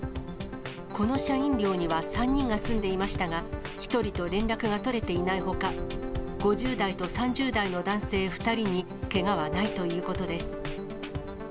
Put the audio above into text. この社員寮には３人が住んでいましたが、１人と連絡が取れていないほか、５０代と３０代の男性２人にけがはないということです。